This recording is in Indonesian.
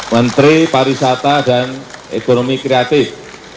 menteri pariwisata dan ekonomi kreatif